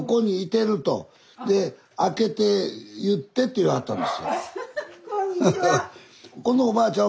で開けて言ってと言わはったんですよ。